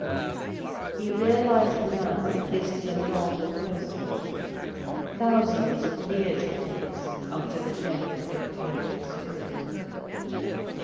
He realised now that this is a long process—thousands of years it takes, after the death of the creative spirit.